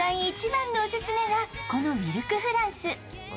一番のオススメは、このミルクフランス。